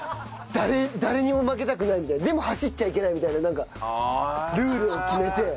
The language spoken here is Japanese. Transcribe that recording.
誰にも負けたくないんででも走っちゃいけないみたいなルールを決めて。